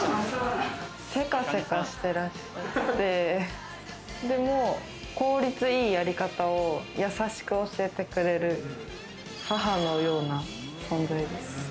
せかせかしてて、でも効率いいやり方を、やさしく教えてくれる母のような存在です。